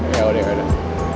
eh yaudah yaudah